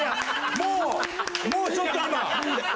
もうもうちょっと今！